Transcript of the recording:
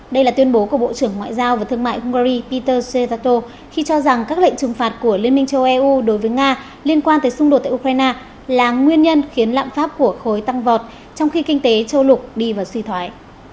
đây là tuyên bố của bộ trưởng ngoại giao và thương mại hungary peter setato khi cho rằng các lệnh trừng phạt của liên minh châu eu đối với nga liên quan tới xung đột tại ukraine là nguyên nhân khiến lạm phát của khối tăng vọt trong khi kinh tế châu lục đi vào suy thoái